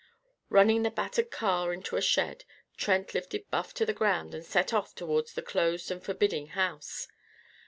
Running the battered car into a shed, Trent lifted Buff to the ground and set off towards the closed and forbidding house.